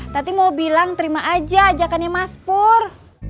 tadi mau bilang terima aja ajakannya mas pur